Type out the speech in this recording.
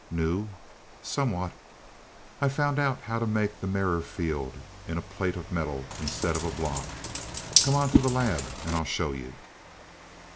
"New?" "Somewhat. I've found out how to make the mirror field in a plate of metal, instead of a block. Come on to the lab, and I'll show you."